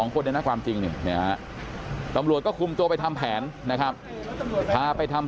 คนเนี่ยนะความจริงตำรวจก็คุมตัวไปทำแผนนะครับพาไปทำ